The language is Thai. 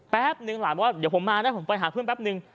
แป๊บนึงหลานบอกว่าเดี๋ยวผมมานะผมไปหาเพื่อนแป๊บนึง